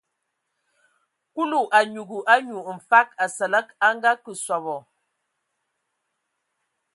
Kulu a nyugu anyu mfag Asǝlǝg a ngakǝ sɔbɔ.